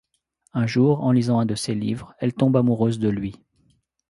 Un jour, en lisant un de ses livres, elle tombe amoureuse de lui...